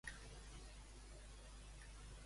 Un bomber em va envair amb un bou.